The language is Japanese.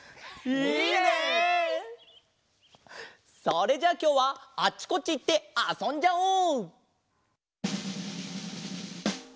それじゃあきょうはあっちこっちいってあそんじゃおう！